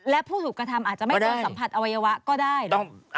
และผู้ถูกกระทำอาจจะไม่โดนสัมผัสอวัยวะก็ได้